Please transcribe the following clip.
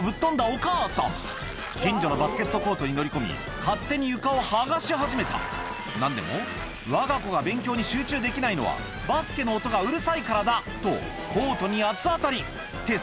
お母さん近所のバスケットコートに乗り込み勝手に床を剥がし始めた何でも「わが子が勉強に集中できないのはバスケの音がうるさいからだ」とコートに八つ当たりって